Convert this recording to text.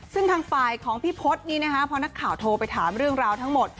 ซึ่งทางฝ่ายของพี่พศนี้นะคะพอนักข่าวโทรไปถามเรื่องราวทั้งหมด